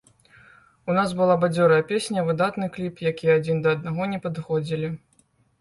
У нас была бадзёрая песня і выдатны кліп, якія адзін да аднаго не падыходзілі.